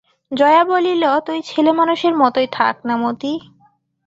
জয়া বলিল, তুই ছেলেমানুষের মতোই থাক না মতি!